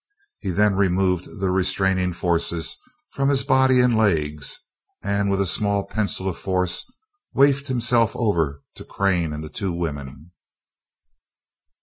He then removed the restraining forces from his body and legs, and with a small pencil of force wafted himself over to Crane and the two women.